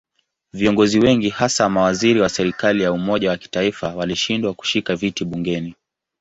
Viongozi wengi hasa mawaziri wa serikali ya umoja wa kitaifa walishindwa kushika viti bungeni.